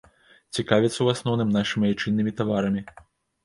Цікавяцца ў асноўным нашымі айчыннымі таварамі.